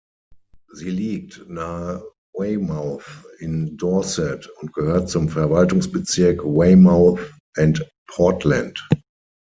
Sie liegt nahe Weymouth in Dorset und gehört zum Verwaltungsbezirk Weymouth and Portland.